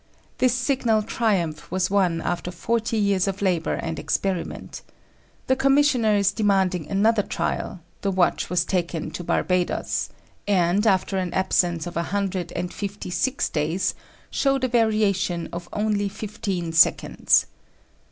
This signal triumph was won after forty years of labor and experiment. The commissioners demanding another trial, the watch was taken to Barbadoes, and, after an absence of a hundred and fifty six days, showed a variation of only fifteen seconds.